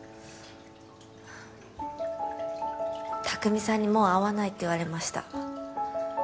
拓海さんにもう会わないって言われました。